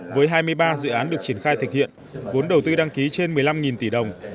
với hai mươi ba dự án được triển khai thực hiện vốn đầu tư đăng ký trên một mươi năm tỷ đồng